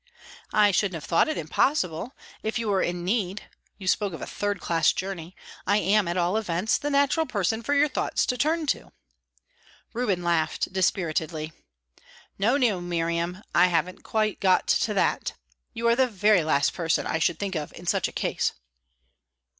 "I shouldn't have thought it impossible. If you were in need you spoke of a third class journey I am, at all events, the natural person for your thoughts to turn to." Reuben laughed dispiritedly. "No, no, Miriam; I haven't quite got to that. You are the very last person I should think of in such a case."